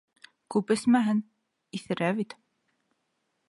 Күп эсмәһен, иҫерә бит.